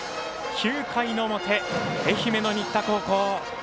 ９回の表、愛媛の新田高校。